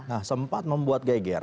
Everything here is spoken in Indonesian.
nah sempat membuat geger